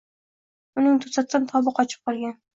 Unng toʻsatdan tobi qochib qolgan.